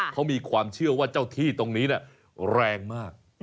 เขามีความเชื่อว่าเจ้าที่ตรงนี้แรงมาก